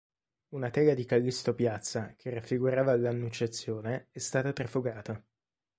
Una tela di Callisto Piazza che raffigurava l'"Annunciazione", è stata trafugata.